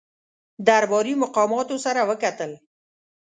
درباري مقاماتو سره وکتل.